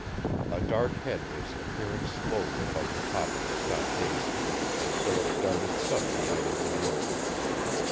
A dark head was appearing slowly above the top of the stockade, and Philip darted suddenly out into the open.